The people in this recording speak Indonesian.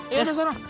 eh ada seorang